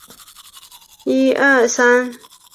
萨普卡伊米林是巴西米纳斯吉拉斯州的一个市镇。